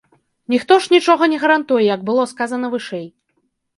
Ніхто ж нічога не гарантуе, як было сказана вышэй.